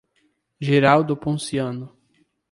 Girau do Ponciano